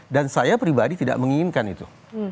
dan saya pribadi tidak menginginkan itu